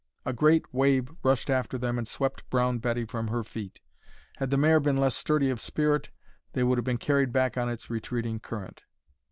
A great wave rushed after them and swept Brown Betty from her feet. Had the mare been less sturdy of spirit they would have been carried back on its retreating current.